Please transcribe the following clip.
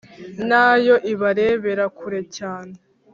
na yo ibarebera kure cyane